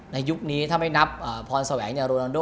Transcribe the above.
ในยุคนี้ถ้าไม่นับแฟนโรนอนโกโรนอนโก